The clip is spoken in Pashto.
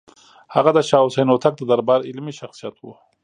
هغه د شاه حسین هوتک د دربار علمي شخصیت و.